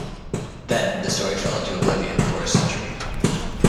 Then, the story fell into oblivion for a century.